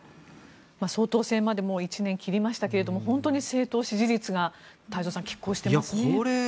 総統選まで１年切りましたけど政党支持率が太蔵さん、きっ抗していますね。